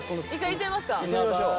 行ってみましょう。